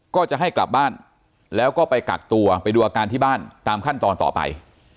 ก็จะให้กลับบ้านแล้วก็ไปกักตัวไปดูอาการที่บ้านตามขั้นตอนต่อไป